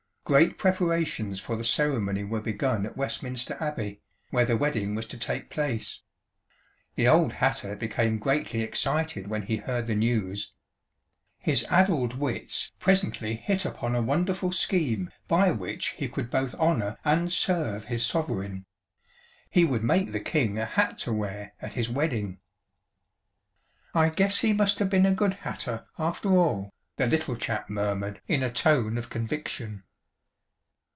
Great preparations for the ceremony were begun at Westminster Abbey, where the wedding was to take place. The old hatter became greatly excited when he heard the news. His addled wits presently hit upon a wonderful scheme by which he could both honour and serve his sovereign: He would make the King a hat to wear at his wedding!" "I guess he must 've been a good hatter, after all," the Little Chap murmured, in a tone of conviction.